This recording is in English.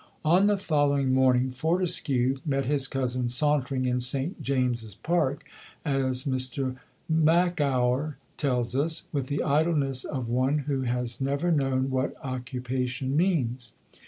On the following morning Fortescue met his cousin sauntering in St James's Park, as Mr Makower tells us, "with the idleness of one who has never known what occupation means."